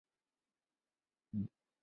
该建筑有一个开放的入口楼梯间。